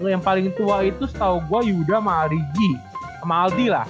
yang paling tua itu setau gue yuda maaligi kemaldi lah